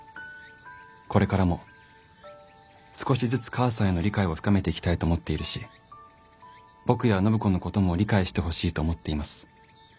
これからも少しずつ母さんへの理解を深めていきたいと思っているし僕や暢子のことも理解してほしいと思っています。